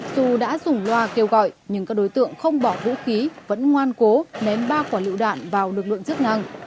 dù đã dùng loa kêu gọi nhưng các đối tượng không bỏ vũ khí vẫn ngoan cố ném ba quả lựu đạn vào lực lượng chức năng